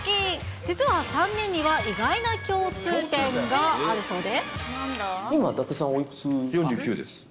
実は３人には意外な共通点がある今、４９です。